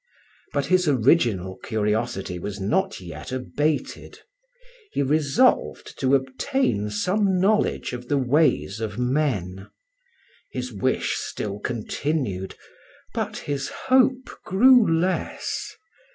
But his original curiosity was not yet abated; he resolved to obtain some knowledge of the ways of men. His wish still continued, but his hope grew less.